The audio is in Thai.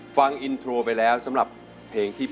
ฟังอินโทรไปแล้วสำหรับเพลงที่๘